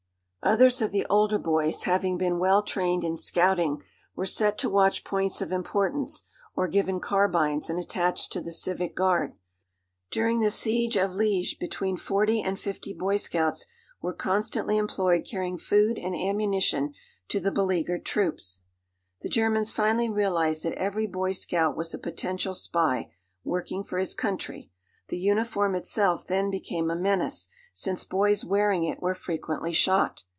Others of the older boys, having been well trained in scouting, were set to watch points of importance, or given carbines and attached to the civic guard. During the siege of Liège between forty and fifty boy scouts were constantly employed carrying food and ammunition to the beleaguered troops. The Germans finally realised that every boy scout was a potential spy, working for his country. The uniform itself then became a menace, since boys wearing it were frequently shot.